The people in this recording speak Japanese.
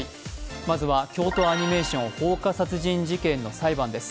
まずは京都アニメーション放火殺人事件の裁判です。